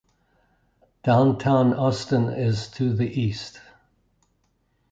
Downtown Austin is to the east.